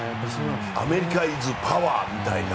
アメリカイズパワーみたいな。